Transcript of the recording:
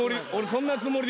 そんなつもり。